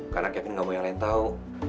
karena kevin enggak mau yang lain tahu